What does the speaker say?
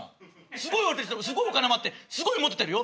すごい売れてすごいお金もあってすごいモテてるよ。